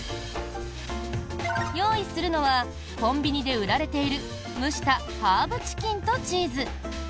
用意するのはコンビニで売られている蒸したハーブチキンとチーズ。